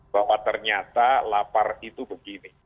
bahwa ternyata lapar itu begini